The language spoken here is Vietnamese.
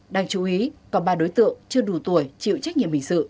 đang chú ý còn ba đối tượng chưa đủ tuổi chịu trích